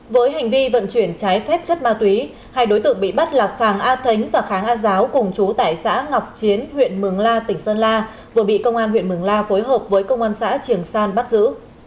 với hành vi vận chuyển trái phép chất ma túy hai đối tượng bị bắt là phàng a thánh và kháng a giáo cùng chú tại xã ngọc chiến huyện mường la tỉnh sơn la vừa bị công an huyện mường la phối hợp với công an xã trường san bắt giữ